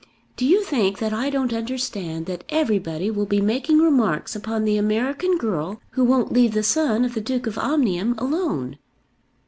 Do you think that I don't understand that everybody will be making remarks upon the American girl who won't leave the son of the Duke of Omnium alone?